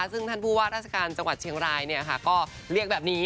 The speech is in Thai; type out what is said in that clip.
ซึ่งท่านผู้ว่าราชการจังหวัดเชียงรายก็เรียกแบบนี้